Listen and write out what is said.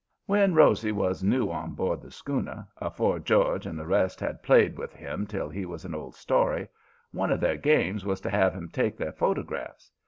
"When Rosy was new on board the schooner, afore George and the rest had played with him till he was an old story, one of their games was to have him take their photographs.